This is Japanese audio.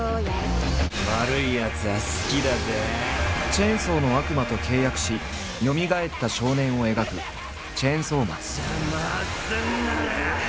チェンソーの悪魔と契約しよみがえった少年を描く「チェンソーマン」。